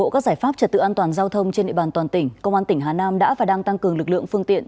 công an tỉnh hà nam đã và đang tăng cường lực lượng phương tiện